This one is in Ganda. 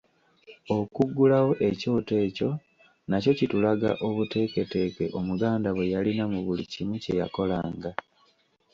Okuggulawo ekyoto ekyo nakyo kitulaga obuteeketeeke Omuganda bwe yalina mu buli kimu kye yakolanga.